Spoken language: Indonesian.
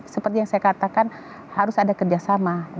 seperti yang saya katakan harus ada kerjasama